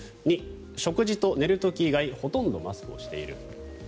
２、食事と寝る時以外ほとんどマスクをしている。